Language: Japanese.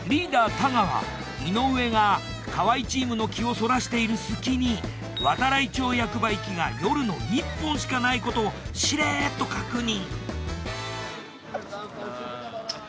太川井上が河合チームの気をそらしている隙に度会町役場行きが夜の１本しかないことをしれっと確認。